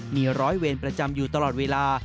มีร้อยเวรประจำอยู่ตลอดเวลา